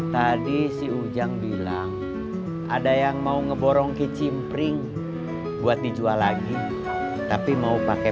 tadi si ujang bilang ada yang mau ngeborongki cimpring buat dijual lagi tapi mau pakai